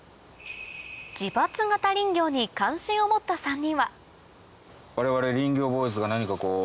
自伐型林業に関心を持った３人は我々。